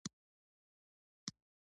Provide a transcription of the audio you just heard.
که د غریبۍ احساس وکړم.